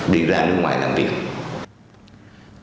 đi ra nước ngoài là không được